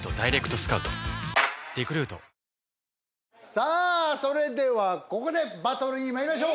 さあそれではここでバトルに参りましょう。